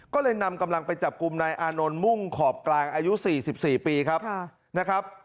ก็เลยนำกำลังไปจับกลุ่มนายอานนท์มุ่งขอบกลางอายุ๔๔ปีครับนะครับ